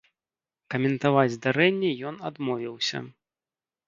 Каментаваць здарэнне ён адмовіўся.